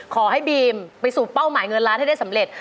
ขอให้บีมไปสู่เป้าหมายเงินล้านให้ได้สำเร็จ